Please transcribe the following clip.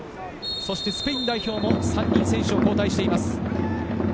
スペイン代表も３人選手を交代しています。